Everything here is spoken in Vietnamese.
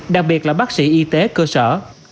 đặc biệt là bác sĩ y tế cơ sở